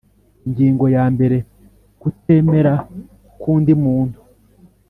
Ingingo ya mbere Kutemera k undi muntu